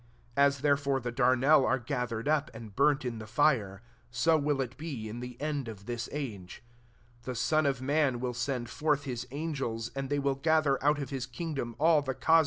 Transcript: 40 As therefore the darnel are gathered up, and burnt in the fire ; so will it be in the end of [this] age : 41 the Son of man will send forth his angels, and they will gather out of his king dom all the causes of offence.